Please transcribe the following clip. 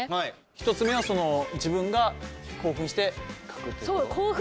ひとつめは自分が興奮して描くということ。